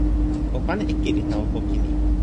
o pana e kili tawa poki ni.